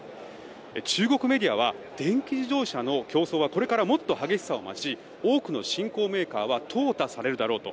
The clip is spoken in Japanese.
中国メディアは電気自動車の競争はこれからもっと激しさを増し多くの新興メーカーはとう汰されるだろうと。